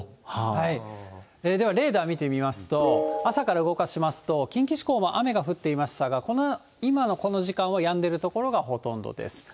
ではレーダー見てみますと、朝から動かしますと、近畿地方は雨が降っていましたが、今のこの時間は、やんでる所がほとんどです。